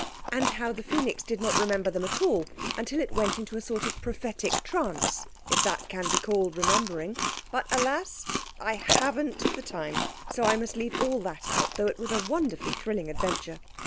And how the Phœnix did not remember them at all until it went into a sort of prophetic trance—if that can be called remembering. But, alas! I haven't time, so I must leave all that out though it was a wonderfully thrilling adventure.